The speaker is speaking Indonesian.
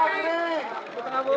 ya ya pak